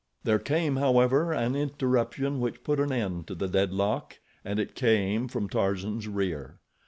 There came, however, an interruption which put an end to the deadlock and it came from Tarzan's rear.